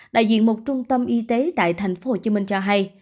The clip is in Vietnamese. đại diện một trung tâm y tế tại tp hcm cho hay